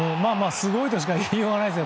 すごいとしか言いようがないですね。